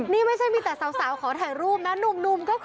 นี่ไม่ใช่มีแต่สาวขอถ่ายรูปนะหนุ่มก็ขอ